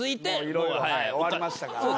色々終わりましたから。